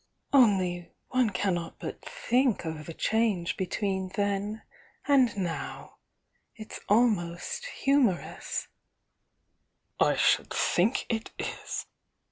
"Only one cannot but think of the change between then and now — it's almost humor ous " "I should think it is!"